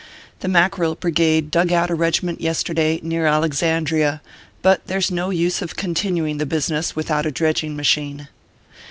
The Mackerel Brigade dug out a regiment yesterday, near Alexandria ; but there s no use of continuing the business without a dredging machine.